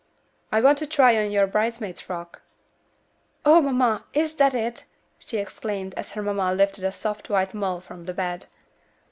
"I want to try on your bridesmaid frock." "Oh, mamma! Is that it?" she exclaimed, as her mamma lifted a soft white mull from the bed.